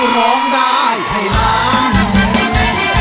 ร้องได้ให้ล้าน